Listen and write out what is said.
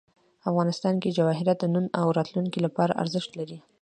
افغانستان کې جواهرات د نن او راتلونکي لپاره ارزښت لري.